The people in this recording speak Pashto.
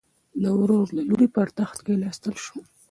د ورور له لوري پر تخت کېناستل شو.